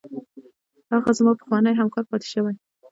هغه زما پخوانی همکار پاتې شوی.